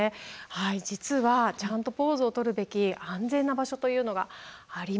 実はちゃんとポーズをとるべき安全な場所というのがあります。